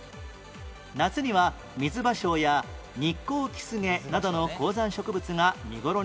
夏にはミズバショウやニッコウキスゲなどの高山植物が見頃になる